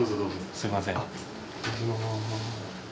すいません。